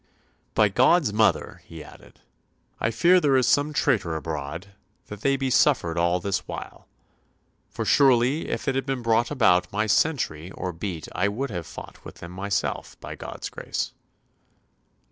"By God's mother," he added, "I fear there is some traitor abroad, that they be suffered all this while. For surely if it had been about my sentry [or beat] I would have fought with them myself, by God's grace."